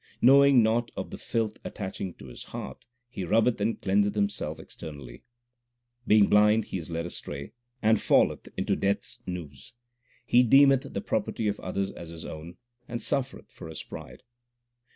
Knowing not of the filth attaching to his heart, he rubbeth and cleanseth himself externally. Being blind he is led astray, and falleth into Death s noose He deemeth the property of others as his own, and suffereth for his pride.